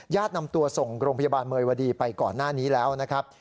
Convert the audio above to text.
นำตัวส่งโรงพยาบาลเมยวดีไปก่อนหน้านี้แล้วนะครับ